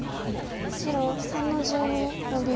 白３の十二ノビ。